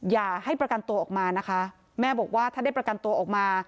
อย่าให้ประกันตัวออกมานะคะแม่บอกว่าถ้าได้ประกันตัวออกมา